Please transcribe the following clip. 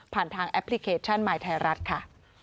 ทางแอปพลิเคชันมายไทยรัฐค่ะ